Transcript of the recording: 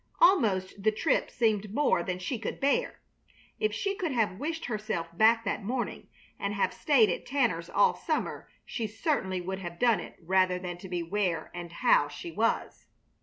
Almost the trip seemed more than she could bear. If she could have wished herself back that morning and have stayed at Tanners' all summer she certainly would have done it rather than to be where and how she was.